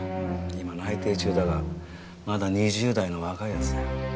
今内偵中だがまだ２０代の若い奴だよ。